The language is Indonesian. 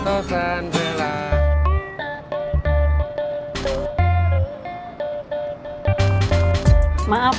gue ga ngerti yang ini apa ya